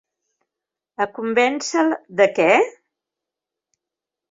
A convènce'l de què?